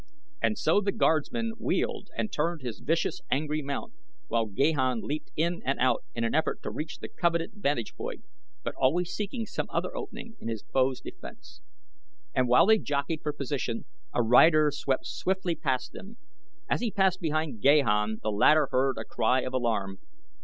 And so the guardsman wheeled and turned his vicious, angry mount while Gahan leaped in and out in an effort to reach the coveted vantage point, but always seeking some other opening in his foe's defense. And while they jockeyed for position a rider swept swiftly past them. As he passed behind Gahan the latter heard a cry of alarm.